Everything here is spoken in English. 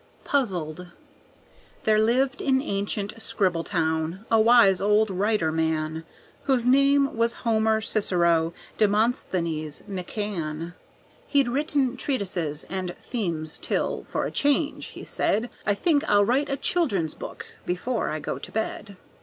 Puzzled There lived in ancient Scribbletown a wise old writer man, Whose name was Homer Cicero Demosthenes McCann. He'd written treatises and themes till, "For a change," he said, "I think I'll write a children's book before I go to bed."